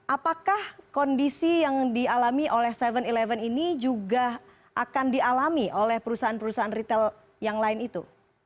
apakah kondisi yang dialami oleh tujuh sebelas ini juga akan dialami oleh perusahaan perusahaan retail yang lain itu